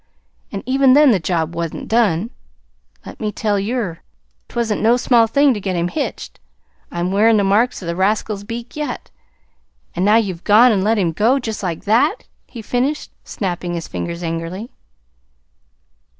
An' even then the job wa'n't done. Let me tell yer, 't wa'n't no small thing ter get him hitched. I'm wearin' the marks of the rascal's beak yet. An' now you've gone an' let him go just like that," he finished, snapping his fingers angrily.